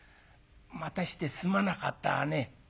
待たしてすまなかったね」。